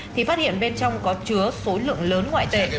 thì phát hiện bên trong có chứa số lượng lớn ngoại tệ